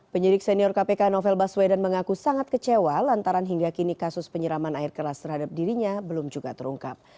penyidik senior kpk novel baswedan mengaku sangat kecewa lantaran hingga kini kasus penyeraman air keras terhadap dirinya belum juga terungkap